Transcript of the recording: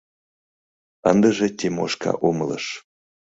Ындыже Тимошка умылыш.